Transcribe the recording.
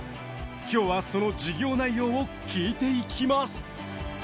今日はその事業内容を聞いていきます。